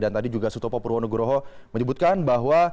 dan tadi juga sutopo purwo nugroho menyebutkan bahwa